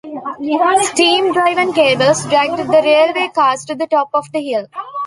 Steam-driven cables dragged the railway cars to the top of the hill.